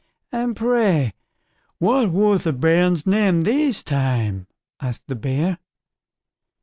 "And pray what was the bairn's name this time", asked the Bear.